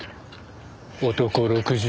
男６０